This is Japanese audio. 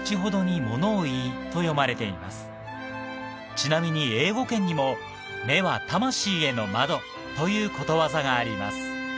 ちなみに英語圏にもということわざがあります